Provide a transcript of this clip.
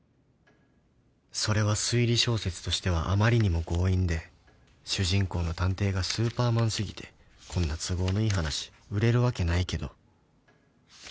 ［それは推理小説としてはあまりにも強引で主人公の探偵がスーパーマンすぎてこんな都合のいい話売れるわけないけど］